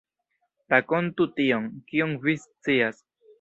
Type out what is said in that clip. Rakontu tion, kion vi scias.